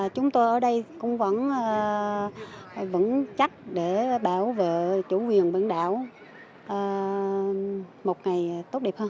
chúng tôi ở đây cũng vẫn chắc để bảo vệ chủ quyền biển đảo một ngày tốt đẹp hơn